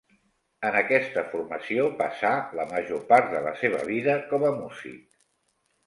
En aquesta formació passà la major part de la seva vida com a músic.